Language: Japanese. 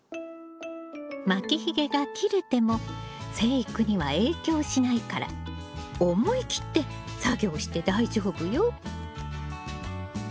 巻きひげが切れても生育には影響しないから思い切って作業して大丈夫よ。